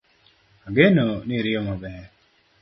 Ageno ni iriyo maber